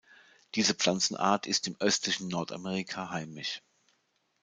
Diese Pflanzenart ist im östlichen Nordamerika heimisch.